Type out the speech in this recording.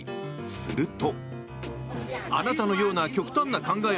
すると。